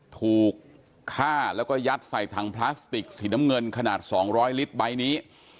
ถูกฆ่าแล้วก็ยัดใส่ถังพลาสติกสีน้ำเงินขนาด๒๐๐ลิตรใบนี้